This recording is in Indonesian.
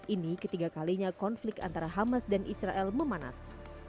ini ketiga kalinya konflik antara hamas dan israel memanas